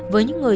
với những người